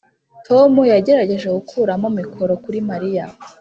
tom yagerageje gukuramo mikoro kuri mariya.